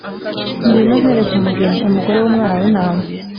“Ngwino nkwereke umugeni, umugore w’Umwana w’Intama.”